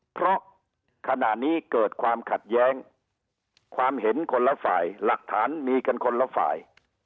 เพราะขณะนี้เกิดความขัดแย้งความเห็นคนละฝ่ายหลักฐานมีกันคนละฝ่าย